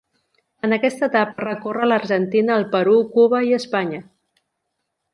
En aquesta etapa recorre l'Argentina, el Perú, Cuba i Espanya.